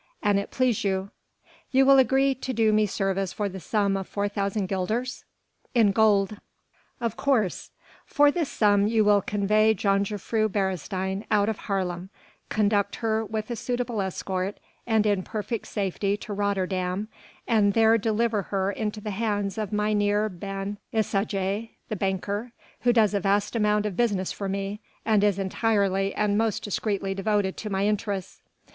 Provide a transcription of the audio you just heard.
"An it please you." "You will agree to do me service for the sum of 4,000 guilders?" "In gold." "Of course. For this sum you will convey Jongejuffrouw Beresteyn out of Haarlem, conduct her with a suitable escort and in perfect safety to Rotterdam and there deliver her into the hands of Mynheer Ben Isaje the banker who does a vast amount of business for me and is entirely and most discreetly devoted to my interests.